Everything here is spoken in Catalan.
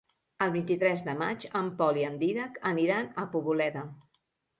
El vint-i-tres de maig en Pol i en Dídac aniran a Poboleda.